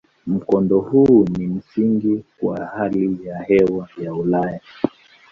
Mkondo huu ni msingi kwa hali ya hewa ya Ulaya.